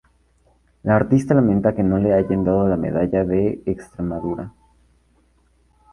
La artista lamenta que no le hayan dado la Medalla de Extremadura.